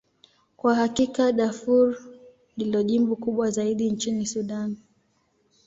Kwa hakika, Darfur ndilo jimbo kubwa zaidi nchini Sudan.